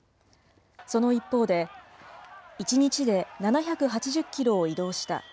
その一方で、１日で７８０キロを移動した。